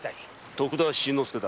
徳田新之助だ。